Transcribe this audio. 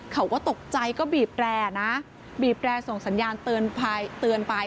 เขาก็ตกใจก็บีบแร่นะบีบแร่ส่งสัญญาณเตือนไป